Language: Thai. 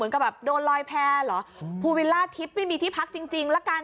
ก็แบบโดนลอยแพร่เหรอภูวิลล่าทิพย์ไม่มีที่พักจริงจริงละกัน